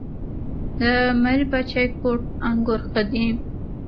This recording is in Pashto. د میربچه کوټ انګور ښه دي